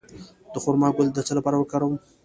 د خرما ګل د څه لپاره وکاروم؟